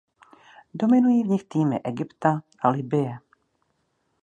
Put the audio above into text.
Dominují v nich týmy Egypta a Libye.